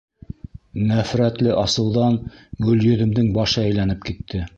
Нәфрәтле асыуҙан Гөлйөҙөмдөң башы әйләнеп китте.